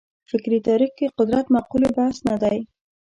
فکري تاریخ کې قدرت مقولې بحث نه دی.